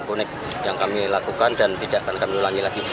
bonek yang kami lakukan dan tidak akan kami ulangi lagi